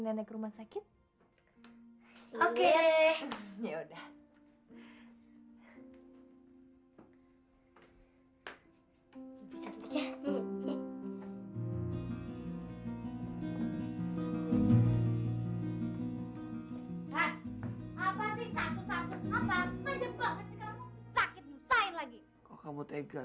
dan asal kamu tau ya